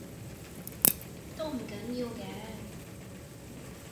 都唔緊要嘅